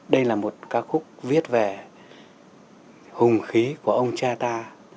đây là một ca khúc viết về hùng khí của ông cha ta